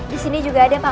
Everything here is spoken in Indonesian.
di sini juga ada paman